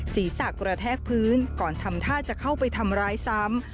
ศีรษะกระแทกพื้นก่อนทำท่าจะเข้าไปทำร้ายซ้ำ